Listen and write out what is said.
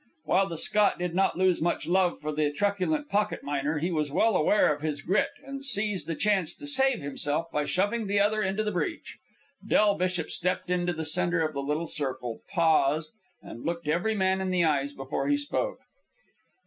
While the Scot did not lose much love for the truculent pocket miner, he was well aware of his grit, and seized the chance to save himself by shoving the other into the breach. Del Bishop stepped into the centre of the little circle, paused, and looked every man in the eyes before he spoke.